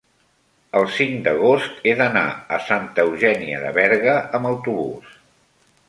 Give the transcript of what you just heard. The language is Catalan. el cinc d'agost he d'anar a Santa Eugènia de Berga amb autobús.